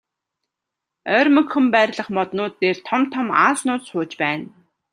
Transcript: Ойрмогхон байрлах моднууд дээр том том аалзнууд сууж байна.